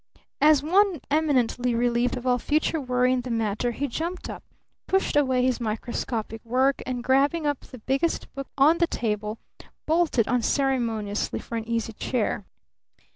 As one eminently relieved of all future worry in the matter, he jumped up, pushed away his microscopic work, and, grabbing up the biggest book on the table, bolted unceremoniously for an easy chair.